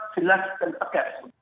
jelas dan tegas